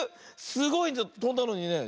すごいとんだのにね。